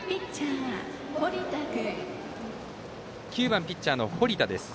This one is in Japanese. ９番、ピッチャーの堀田です。